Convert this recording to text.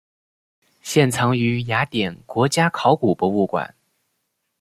现藏于雅典国家考古博物馆。